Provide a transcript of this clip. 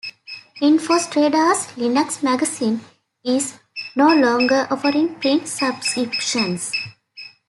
InfoStrada's "Linux Magazine" is no longer offering print subscriptions.